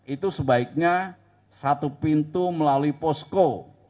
itu sebaiknya satu pintu melalui posko